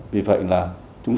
vì vậy là chúng ta